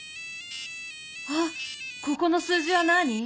あっここの数字はなあに？